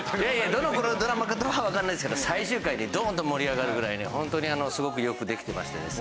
どのドラマかとはわからないですけど最終回でドーンと盛り上がるぐらいにホントにすごくよくできてましてですね。